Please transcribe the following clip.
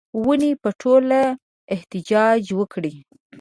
ونې به ټوله احتجاج وکړي